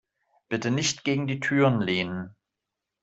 Bitte nicht gegen die Türen lehnen.